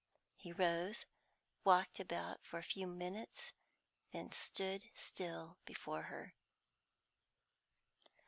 He rose, walked about for a few minutes, then stood still before her.